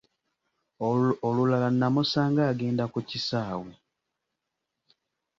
Olulala nnamusanga agenda ku kisaawe.